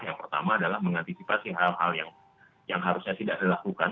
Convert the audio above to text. yang pertama adalah mengantisipasi hal hal yang harusnya tidak dilakukan